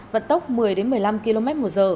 và tốc một mươi một mươi năm km hồi giờ